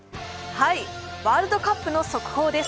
ワールドカップの速報です。